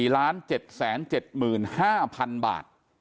๗๔ล้าน๗๗๕พันบาท